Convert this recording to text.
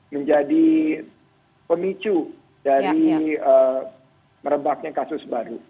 menjadi pemicu dari merebaknya kasus baru